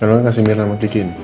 tolong kasih mirna mau bikin